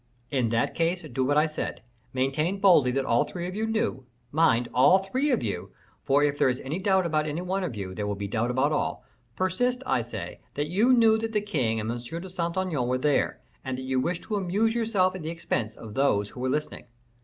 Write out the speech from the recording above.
"In that case, do what I said: maintain boldly that all three of you knew mind, all three of you, for if there is a doubt about any one of you, there will be a doubt about all, persist, I say, that you knew that the king and M. de Saint Aignan were there, and that you wished to amuse yourself at the expense of those who were listening."